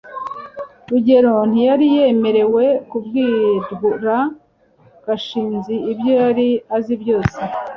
rugeyo ntiyari yemerewe kubwira gashinzi ibyo yari azi byose